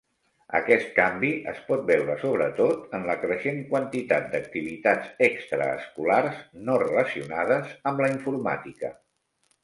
Aquest canvi es pot veure sobretot en la creixent quantitat d'activitats extraescolars no relacionades amb la informàtica.